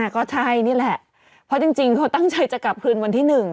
ก็ใช่นี่แหละเพราะจริงเขาตั้งใจจะกลับคืนวันที่๑